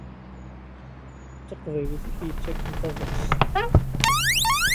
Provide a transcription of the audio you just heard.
D taqbaylit i k-yettaken tabɣest.